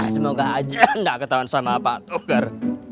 semoga aja gak ketahuan sama pak togar